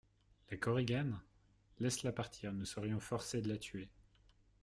La Korigane ? Laisse-la partir, nous serions forcés de la tuer.